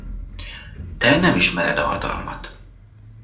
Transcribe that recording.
Te nem ismered a hatalmat.